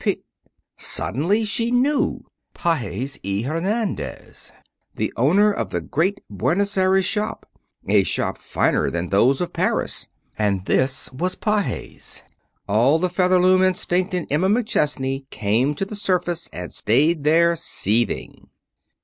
P " Suddenly she knew. Pages y Hernandez, the owner of the great Buenos Aires shop a shop finer than those of Paris. And this was Pages! All the Featherloom instinct in Emma McChesney came to the surface and stayed there, seething.